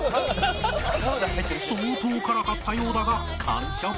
相当辛かったようだが完食